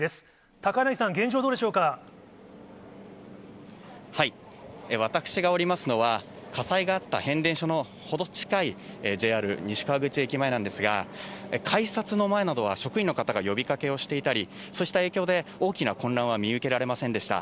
高柳さん、私がおりますのは、火災があった変電所の程近いＪＲ西川口駅前なんですが、改札の前などは、職員の方が呼びかけをしていたり、そうした影響で大きな混乱は見受けられませんでした。